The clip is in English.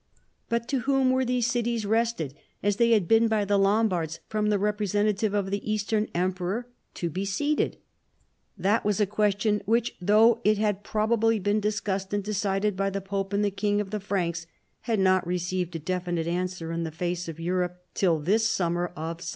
* But to whom were these cities, wrested as they had been by the Lombards from the representative of the Eastern Emperor, to be ceded? That was a question which, though it had probably been dis cussed and decided by the Pope and the King of the Franks, had not received a definite answer in the face of Europe till this summer of 756.